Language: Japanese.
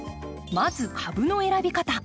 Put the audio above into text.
まず株の選び方。